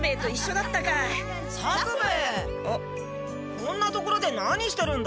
こんな所で何してるんだ？